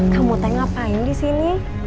kamu tadi ngapain disini